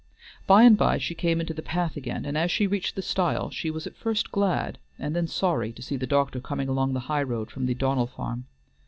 By and by she came into the path again, and as she reached the stile she was at first glad and then sorry to see the doctor coming along the high road from the Donnell farm.